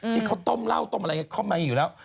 ที่เขาต้มเหล้าต้มอะไรเข้ามาอยู่แล้ว